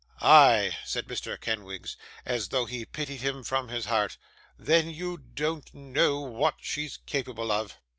'Ay!' said Mr. Kenwigs, as though he pitied him from his heart, 'then you don't know what she's capable of.